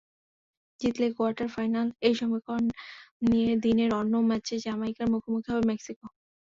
জিতলেই quarter ফাইনাল—এই সমীকরণ নিয়ে দিনের অন্য ম্যাচে জ্যামাইকার মুখোমুখি হবে মেক্সিকো।